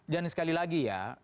dan sekali lagi ya